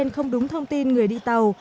nhưng không đúng thông tin người đi tàu